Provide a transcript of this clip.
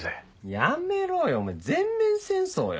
やめろよお前全面戦争よ？